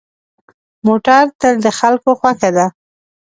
موټر تل د خلکو خوښه ده.